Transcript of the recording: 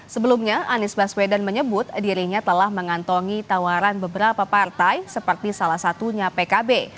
sebelumnya anies baswedan menyebut dirinya telah mengantongi tawaran beberapa partai seperti salah satunya pkb